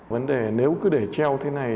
vấn đề nếu cứ để treo thế này